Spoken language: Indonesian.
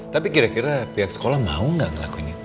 tapi kira kira pihak sekolah mau nggak ngelakuin itu